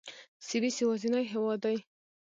سویس یوازینی هېواد دی.